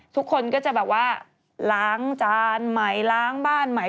ทุกคนก็จะแบบว่าล้างจานใหม่ล้างบ้านใหม่